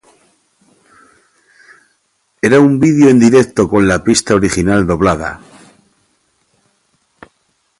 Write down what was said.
Era un vídeo en directo con la pista original doblada.